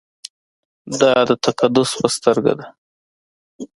دا د تقدس په سترګه ده.